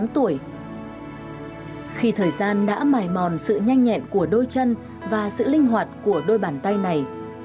tám mươi tám tuổi khi thời gian đã mải mòn sự nhanh nhẹn của đôi chân và sự linh hoạt của đôi bàn tay này